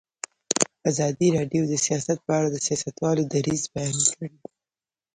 ازادي راډیو د سیاست په اړه د سیاستوالو دریځ بیان کړی.